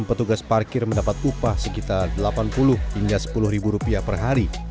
petugas parkir mendapat upah sekitar delapan puluh hingga sepuluh ribu rupiah per hari